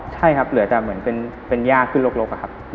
ใช่ครับเหลือแต่เหมือนเป็นย่าขึ้นลกอะครับ